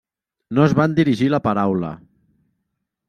No es van dirigir la paraula.